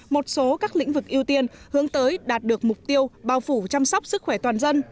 một số các lĩnh vực ưu tiên hướng tới đạt được mục tiêu bao phủ chăm sóc sức khỏe toàn dân